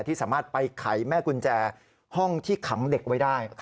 ที่สามารถไปไขแม่กุญแจห้องที่ขังเด็กไว้ได้